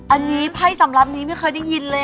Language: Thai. อันนี้ไพ่สำหรับนี้ไม่เคยได้ยินเลย